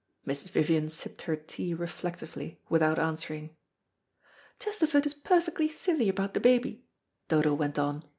Mrs. Vivian sipped her tea reflectively without answering. "Chesterford is perfectly silly about the baby," Dodo went on.